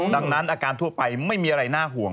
ดังนั้นอาการทั่วไปไม่มีอะไรน่าห่วง